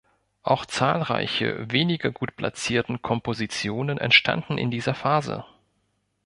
Auch zahlreiche weniger gut platzierte Kompositionen entstanden in dieser Phase.